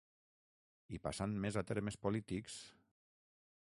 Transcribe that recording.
I passant més a temes polítics….